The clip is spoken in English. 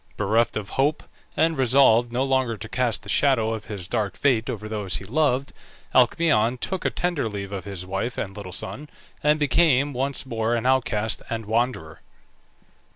Bereft of hope, and resolved no longer to cast the shadow of his dark fate over those he loved, Alcmaeon took a tender leave of his wife and little son, and became once more an outcast and wanderer.